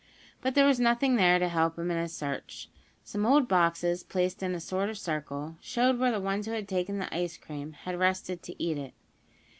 But there was nothing there to help him in his search. Some old boxes, placed in a sort of circle, showed where the ones who had taken the ice cream, had rested to eat it.